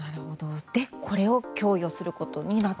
で、これを供与することになったと。